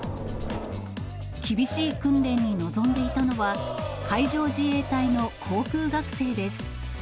厳しい訓練に臨んでいたのは、海上自衛隊の航空学生です。